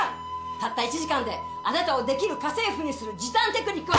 たった１時間であなたを出来る家政婦にする時短テクニックはありません！